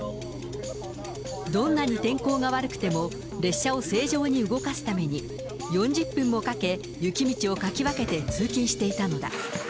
どんなに天候が悪くても、列車を正常に動かすために、４０分もかけ、雪道をかき分けて通勤していたのだ。